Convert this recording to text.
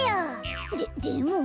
ででも。